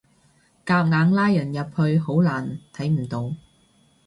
夾硬拉人入去好難睇唔到